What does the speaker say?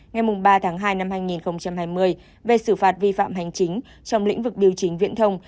ngày ba tháng hai năm hai nghìn hai mươi về xử phạt vi phạm hành chính trong lĩnh vực điều chính viễn thông